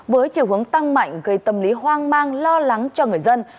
với chiều hướng tăng mạnh gây tâm lý hoang mang lo lắng cho người dân